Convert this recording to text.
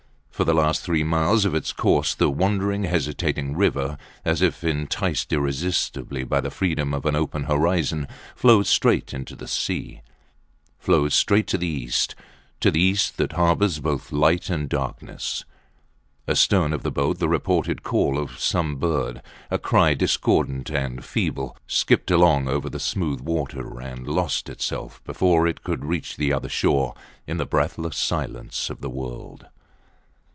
For the last three miles of its course the wandering, hesitating river, as if enticed irresistibly by the freedom of an open horizon, flows straight into the sea, flows straight to the east to the east that harbours both light and darkness. Astern of the boat the repeated call of some bird, a cry discordant and feeble, skipped along over the smooth water and lost itself, before it could reach the other shore, in the breathless silence of the world.